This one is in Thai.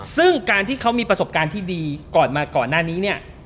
ซึ่งการที่เขามีประสบการณ์ที่ดีก่อนมาก่อนหน้านี้เนี่ย